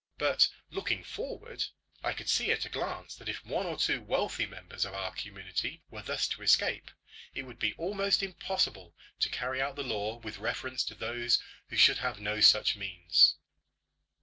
But looking forward, I could see at a glance that if one or two wealthy members of our community were thus to escape, it would be almost impossible to carry out the law with reference to those who should have no such means.